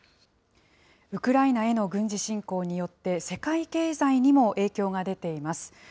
ウクライナへの軍事侵攻によって、世界経済にも影響が出ています。